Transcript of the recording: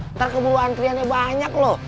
ntar keburu antriannya banyak loh